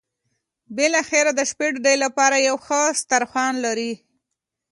بالاخره د شپې ډوډۍ لپاره یو ښه سترخوان ولري.